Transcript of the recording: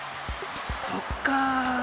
そっか。